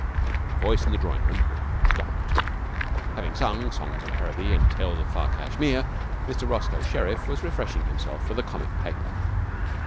The voice in the drawing room stopped. Having sung songs of Araby and tales of far Cashmere, Mr Roscoe Sherriff was refreshing himself with a comic paper.